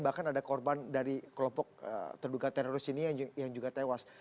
bahkan ada korban dari kelompok terduga teroris ini yang juga tewas